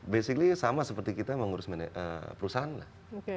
basically sama seperti kita mengurus perusahaan lah